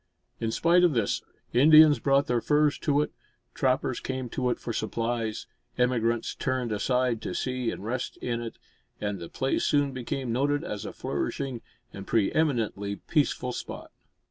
In spite of this, Indians brought their furs to it; trappers came to it for supplies; emigrants turned aside to see and rest in it; and the place soon became noted as a flourishing and pre eminently peaceful spot.